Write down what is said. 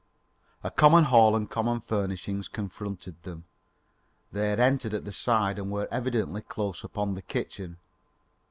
A common hall and common furnishings confronted them. They had entered at the side and were evidently close upon the kitchen.